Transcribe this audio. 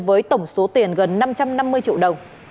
với tổng số tiền gần năm trăm năm mươi triệu đồng